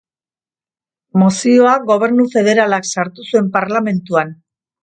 Mozioa Gobernu Federalak sartu zuen parlamentuan.